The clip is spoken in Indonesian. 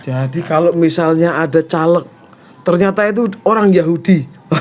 jadi kalau misalnya ada caleg ternyata itu orang yahudi